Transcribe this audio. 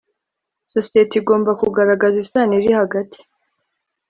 Sosiyete igomba kugaragaza isano iri hagati